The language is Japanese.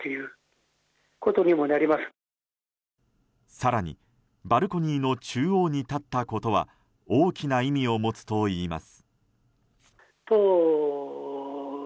更に、バルコニーの中央に立ったことは大きな意味を持つといいます。